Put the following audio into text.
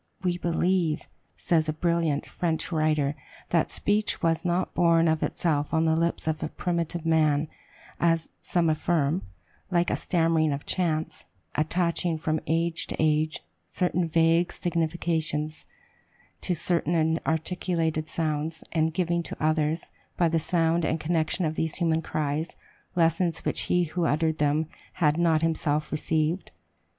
"We believe," says a brilliant French writer, "that speech was not born of itself on the lips of primitive man," as some affirm, "like a stammering of chance, attaching, from age to age, certain vague significations to certain inarticulated sounds, and giving to others, by the sound and connection of these human cries, lessons which he who uttered them had not himself received.